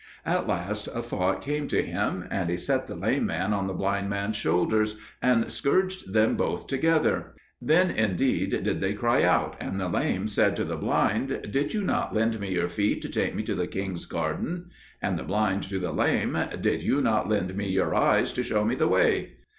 At last a thought came to him, and he set the lame man on the blind man's shoulders, and scourged them both together. Then indeed did they cry out, and the lame said to the blind, "Did you not lend me your feet to take me to the king's garden?" And the blind to the lame, "Did you not lend me your eyes to show me the way?"